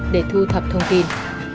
để thu thập thông tin